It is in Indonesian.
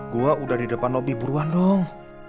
gue udah di depan lobi buruan dong